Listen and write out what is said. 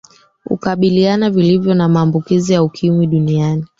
ukabiliana vilivyo na maambukizi ya ukimwi duniani